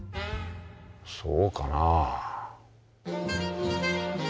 そうかな。